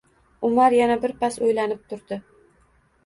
Umar yana birpas o‘ylanib turdi